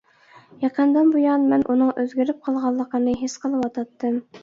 يېقىندىن بۇيان مەن ئۇنىڭ ئۆزگىرىپ قالغانلىقىنى ھېس قىلىۋاتاتتىم.